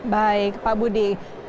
baik pak budi